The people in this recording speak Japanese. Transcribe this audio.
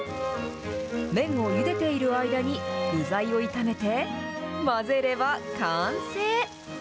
麺をゆでている間に具材を炒めて、混ぜれば完成。